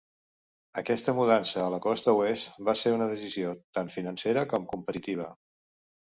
Aquesta mudança a la Costa Oest va ser una decisió tant financera com competitiva.